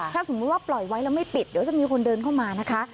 ถ้าสมมุติว่าปล่อยไว้แล้วไม่ปิดเดี๋ยวจะมีคนเดินเข้ามานะคะ